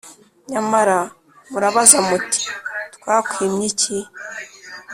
Nyamara murabaza muti ‘Twakwimye iki?